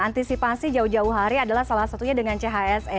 antisipasi jauh jauh hari adalah salah satunya dengan chse